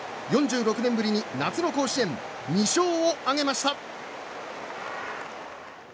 ４６年ぶりに夏の甲子園２勝を挙げました。